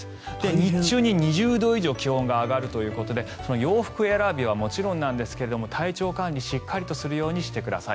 日中に２０度以上気温が上がるということで洋服選びはもちろんですが体調管理をしっかりとするようにしてください。